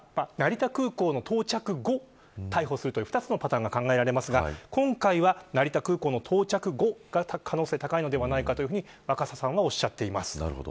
２つのパターンが考えられますが今回は、成田空港の到着後の可能性が高いのではないかと若狭さんはおっしゃっています。